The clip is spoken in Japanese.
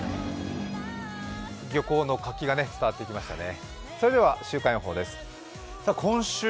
漁港の活気が伝わってきましたね。